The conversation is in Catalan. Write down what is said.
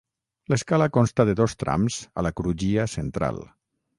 L'escala consta de dos trams a la crugia central.